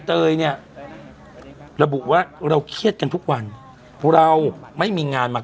เตยเนี่ยระบุว่าเราเครียดกันทุกวันเราไม่มีงานมา